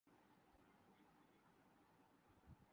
اﷲ کے رسولﷺ نے اگر دین کے باب میں کچھ فرمایا ہے۔